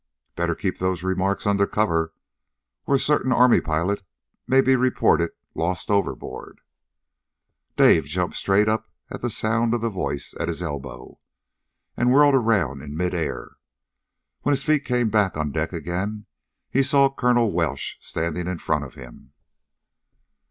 "Better keep those remarks under cover, or a certain Army pilot may be reported lost overboard!" Dave jumped straight up at the sound of the voice at his elbow, and whirled around in midair. When his feet came back on deck again he saw Colonel Welsh standing in front of him.